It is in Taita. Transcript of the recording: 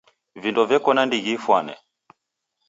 Vindo veko na ndighi ifwane .